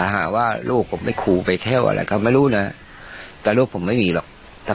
หาว่าลูกผมไปครูไปเที่ยวอะไรเขาไม่รู้นะแต่ลูกผมไม่มีหรอก